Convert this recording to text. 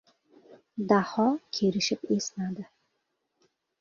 Daho kerishib esnadi.